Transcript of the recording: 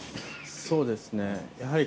そうですねやはり。